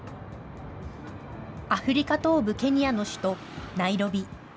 アフリカ東部ケニアの首都ナイロビ。